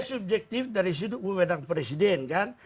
dia subjektif dari sudut bumedang presiden kan